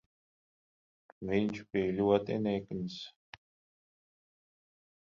Viņš bija ļoti nikns.